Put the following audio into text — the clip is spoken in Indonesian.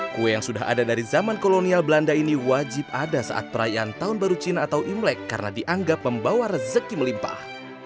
kue yang sudah ada dari zaman kolonial belanda ini wajib ada saat perayaan tahun baru cina atau imlek karena dianggap membawa rezeki melimpah